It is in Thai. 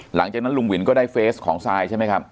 หลังจากนั้นลุงวินก็ได้เฟสของซายใช่ไหมครับ